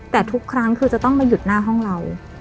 แต่ทุกครั้งคือจะต้องมาหยุดหน้าห้องเรา